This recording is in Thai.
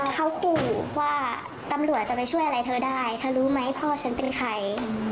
เขาขู่ว่าตำรวจจะไปช่วยอะไรเธอได้เธอรู้ไหมพ่อฉันเป็นใคร